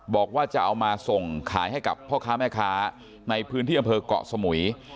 บอกว่าจะเอามาส่งขายให้กับพ่อค้าแม่ค้าในพื้นที่อำเภอกเกาะสมุย